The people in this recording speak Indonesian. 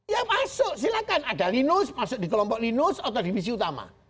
ya masuk silahkan ada linus masuk di kelompok linus atau divisi utama